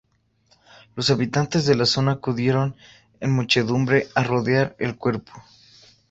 Los habitantes de la zona acudieron en muchedumbre a rodear el cuerpo.